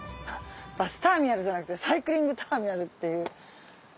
バスターミナルじゃなくてサイクリングターミナルっていう。